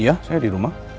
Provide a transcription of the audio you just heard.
iya saya dirumah